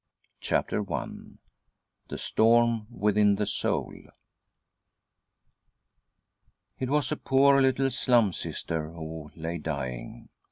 CHAPTER I THE STORM WITHIN THE SOUL It was a poor little Slum Sister who lay dying.